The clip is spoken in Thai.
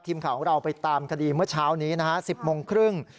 ทีมข่าวของเราไปตามคดีเมื่อเช้านี้นะฮะ๑๐โมงครึ่ง